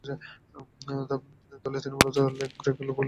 দলে তিনি মূলতঃ লেগ ব্রেক গুগলি বোলার হিসেবে খেলতেন।